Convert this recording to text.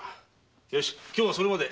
よし今日はそれまで。